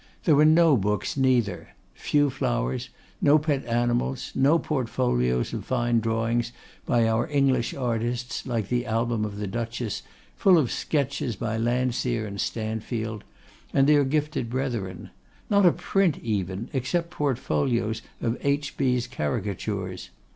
There were no books neither; few flowers; no pet animals; no portfolios of fine drawings by our English artists like the album of the Duchess, full of sketches by Landseer and Stanfield, and their gifted brethren; not a print even, except portfolios of H. B.'s caricatures.